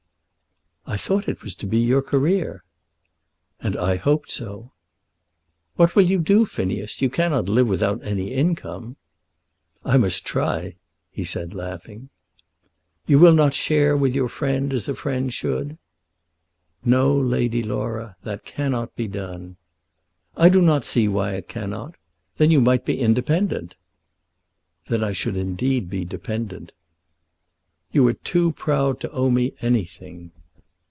"I thought it was to be your career." "And I hoped so." "What will you do, Phineas? You cannot live without an income." "I must try," he said, laughing. "You will not share with your friend, as a friend should?" "No, Lady Laura. That cannot be done." "I do not see why it cannot. Then you might be independent." "Then I should indeed be dependent." "You are too proud to owe me anything."